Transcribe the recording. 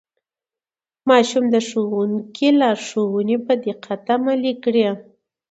ماشوم د ښوونکي لارښوونې په دقت عملي کړې